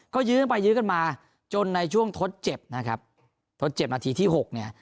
ก็ยื้อกันไปยื้อกันมาจนในช่วงทดเจ็บนะครับทดเจ็บนาทีที่หกเนี่ย